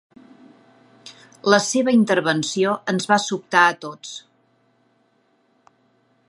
La seva intervenció ens va sobtar a tots.